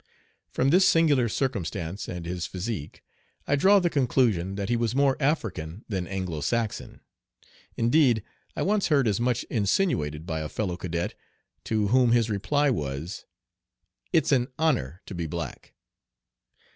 From this singular circumstance and his physique, I draw the conclusion that he was more African than Anglo Saxon. Indeed, I once heard as much insinuated by a fellow cadet, to whom his reply was: "It's an honor to be black."